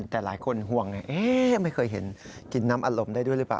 แต่หลายคนห่วงอย่างนี้